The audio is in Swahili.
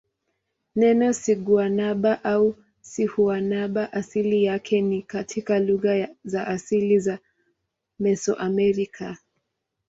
Neno siguanaba au sihuanaba asili yake ni katika lugha za asili za Mesoamerica.